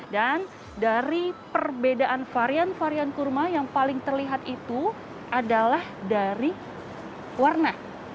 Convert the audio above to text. dan dari perbedaan varian varian kurma yang paling terlihat itu adalah dari warna